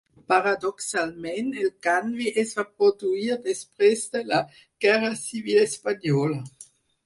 Paradoxalment el canvi es va produir després de la Guerra Civil Espanyola.